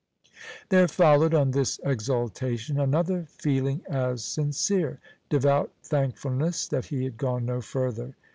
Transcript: There followed on this exultation another feeling as sincere devout thankfulness that he had gone no further.